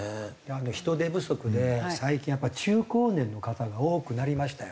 人手不足で最近やっぱり中高年の方が多くなりましたよ。